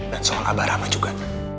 dan soal abarama juga